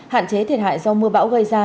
hạn chế thiệt hại do mưa bão gây ra